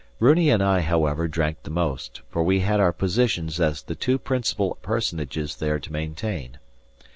Runi and I, however, drank the most, for we had our positions as the two principal personages there to maintain.